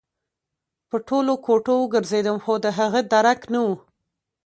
په ټولو کوټو وګرځېدم خو د هغه درک نه و